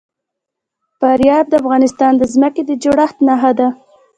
فاریاب د افغانستان د ځمکې د جوړښت نښه ده.